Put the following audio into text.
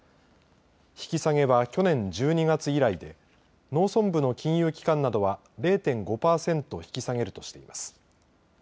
引き下げは去年１２月以来で農村部の金融機関などは０．５パーセント引き下げるとしています。